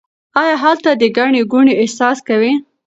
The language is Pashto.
آیا هلته د ګڼې ګوڼې احساس کوئ؟